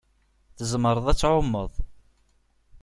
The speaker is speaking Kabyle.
Tzemreḍ ad tɛummeḍ.